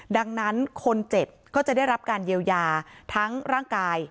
ดังนั้นคนเจ็บก็จะได้รับการเยียวยาทั้งร่างกาย